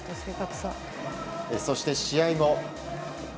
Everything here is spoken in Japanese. そして試合後。